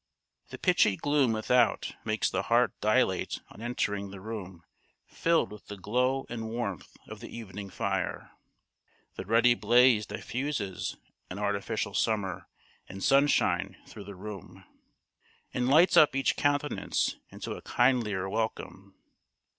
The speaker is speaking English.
The pitchy gloom without makes the heart dilate on entering the room filled with the glow and warmth of the evening fire. The ruddy blaze diffuses an artificial summer and sunshine through the room, and lights up each countenance into a kindlier welcome.